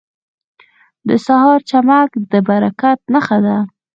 • د سهار چمک د برکت نښه ده.